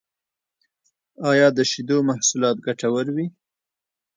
ایا د شیدو محصولات ګټور وی؟